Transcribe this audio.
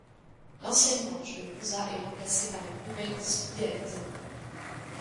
L'ancienne manche de Monza est remplacée par une nouvelle disputée à Misano.